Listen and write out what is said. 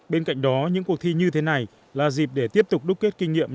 bên cạnh đó những cuộc thi như thế này là dịp để tiếp tục đúc kết kinh nghiệm